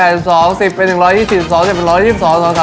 ทีมคุณกรอฟวางเงินทั้งนวน๒๐๐๐บาท